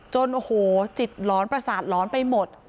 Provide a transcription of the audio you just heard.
จนโอ้โหจิตร้อนประสาทร้อนไปหมด